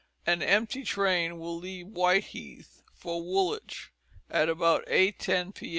An Empty Train will leave Whiteheath for Woolhitch at about 8:10 p.